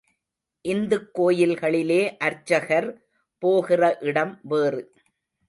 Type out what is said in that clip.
இந்துக் கோயில்களிலே அர்ச்சகர் போகிற இடம் வேறு.